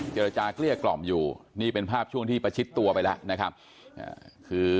เจรจาเกลี้ยกล่อมอยู่นี่เป็นภาพช่วงที่ประชิดตัวไปแล้วนะครับคือ